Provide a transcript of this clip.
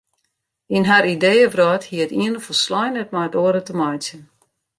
Yn har ideeëwrâld hie it iene folslein net met it oare te meitsjen.